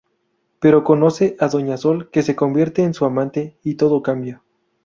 Pero conoce a doña Sol que se convierte en su amante y todo cambia.